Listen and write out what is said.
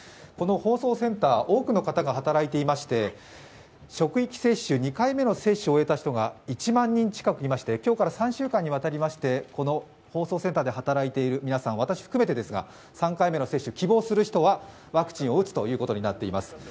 この放送センター、多くの方が働いていまして、職域接種、２回目の接種を終えた人が１万人近くいまして今日から３週間にわたりまして、放送センターで働いている皆さん、私を含めてですが、３回目接種を希望する人はワクチンを打つことになっています。